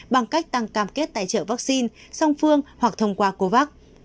bằng cách tăng cam kết tài trợ vaccine song phương hoặc thông qua covax